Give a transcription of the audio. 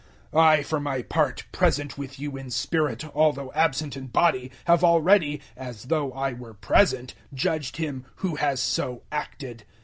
005:003 I for my part, present with you in spirit although absent in body, have already, as though I were present, judged him who has so acted.